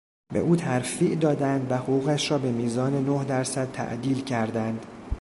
به او ترفیع دادند و حقوقش را به میزان نه درصد تعدیل کردند.